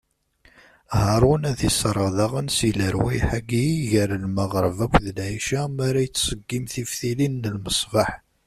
Haṛun ad isserɣ daɣen si lerwayeḥ-agi gar lmeɣreb akked lɛica, mi ara yettṣeggim tiftilin n lmeṣbaḥ.